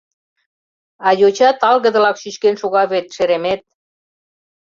А йоча талгыдылак чӱчкен шога вет, шеремет!